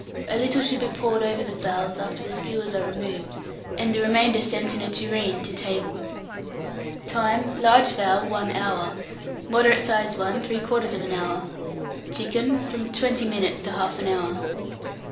A little should be poured over the fowls, after the skewers are removed, and the remainder sent in a tureen to table. Time. Large fowl, 1 hour; moderate sized one, 3/4 hour; chicken, from 20 minutes to 1/2 hour.